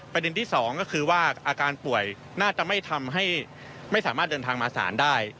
ที่๒ก็คือว่าอาการป่วยน่าจะไม่ทำให้ไม่สามารถเดินทางมาศาลได้